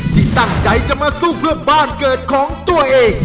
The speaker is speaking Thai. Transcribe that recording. ที่ตั้งใจจะมาสู้เพื่อบ้านเกิดของตัวเอง